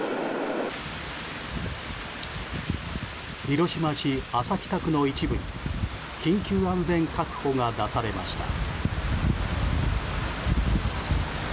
広島市安佐北区の一部に緊急安全確保が出されました。